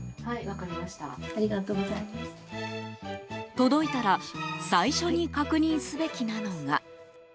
届いたら最初に確認すべきなのが。